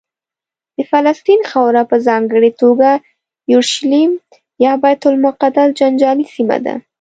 د فلسطین خاوره په ځانګړې توګه یورشلیم یا بیت المقدس جنجالي سیمه ده.